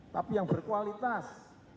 tapi yang berkualitas